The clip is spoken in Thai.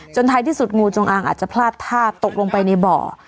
ท้ายที่สุดงูจงอางอาจจะพลาดท่าตกลงไปในบ่อ